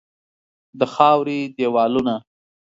د خاوري دیوالونه